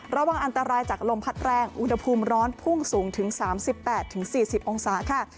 ระวังอันตรายจากลมพัดแรงอุณหภูมิร้อนพุ่งสูงถึง๓๘๔๐องศาค่ะ